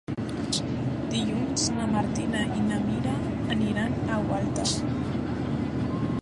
Dilluns na Martina i na Mira aniran a Gualta.